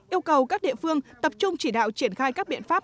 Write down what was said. yêu cầu các địa phương tập trung chỉ đạo triển khai các biện pháp